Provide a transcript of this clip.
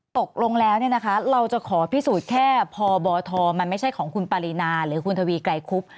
ตกลงแล้วเราจะขอพิสูจน์แค่พบทมันไม่ใช่ของคุณปรินาหรือคุณทวีไกรคุบ